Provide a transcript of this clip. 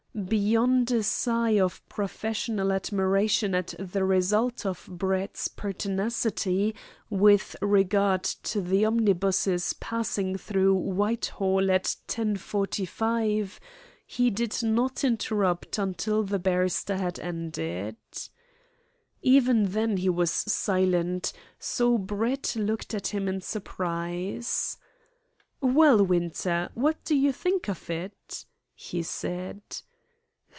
Beyond a sigh of professional admiration at the result of Brett's pertinacity with regard to the omnibuses passing through Whitehall at 10.45, he did not interrupt until the barrister had ended. Even then he was silent, so Brett looked at him in surprise, "Well, Winter, what do you think of it?" he said.